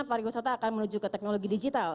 pariwisata akan menuju ke teknologi digital